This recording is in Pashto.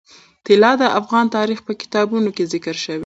طلا د افغان تاریخ په کتابونو کې ذکر شوی دي.